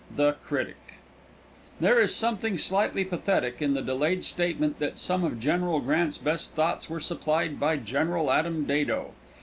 The Critic. There is something slightly pathetic in the delayed statement that some of General Grant's best thoughts were supplied by General Adam Dado.